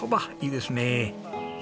いいですね。